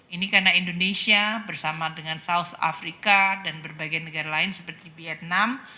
ini karena indonesia bersama dengan saus afrika dan berbagai negara lain seperti vietnam